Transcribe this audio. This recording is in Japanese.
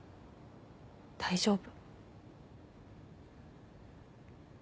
大丈夫。